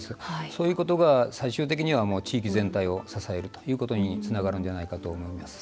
そういうことが最終的には地域全体を支えるということにつながるんじゃないかと思います。